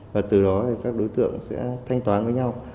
và từ đó thì các đối tượng sẽ thanh toán với nhau